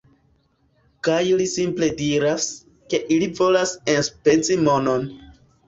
Kaj li simple diras, ke ili volas enspezi monon